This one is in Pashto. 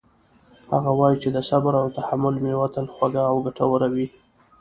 هغه وایي چې د صبر او تحمل میوه تل خوږه او ګټوره وي